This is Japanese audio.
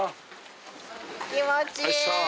気持ちいい。